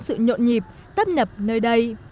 sự nhộn nhịp tấp nhập nơi đây